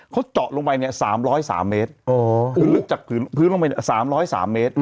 เขาเจาะลงไปเนี่ย๓๐๓เมตรคือลึกจากพื้นลงไป๓๐๓เมตร